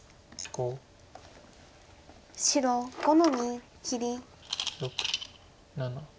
白５の二切り。